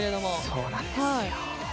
そうなんですよ。